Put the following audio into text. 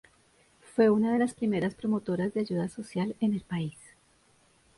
Fue una de las primeras promotoras de ayuda social en el país.